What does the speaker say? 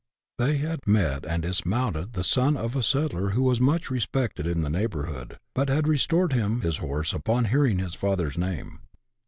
They had met and dismounted the son of a settler who was much respected in the neighbourhood, but had restored him his horse upon hearing his father's name.